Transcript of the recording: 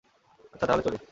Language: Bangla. আচ্ছা, তাহলে চলি।